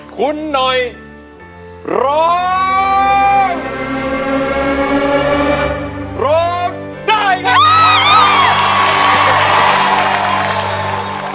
คุณหน่อยร้องได้ครับ